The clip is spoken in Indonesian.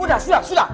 udah sudah sudah